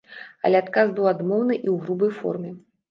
Але адказ быў адмоўны і ў грубай форме.